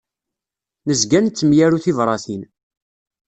Nezga nettemyaru tibratin.